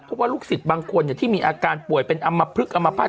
เพราะลูกศิษย์บางคนที่มีอาการป่วยเป็นอำมะพฤกษ์